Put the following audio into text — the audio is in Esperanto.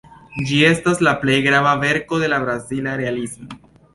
Ĝi estas la plej grava verko de la brazila Realismo.